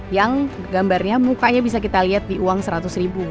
yang gambarnya mukanya bisa kita lihat di uang seratus ribu